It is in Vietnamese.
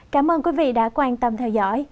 cảm ơn quý vị đã quan tâm theo dõi